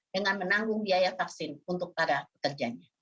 dengan menanggung biaya vaksin untuk para pekerjanya